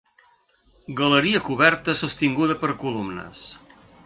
Galeria coberta sostinguda per columnes.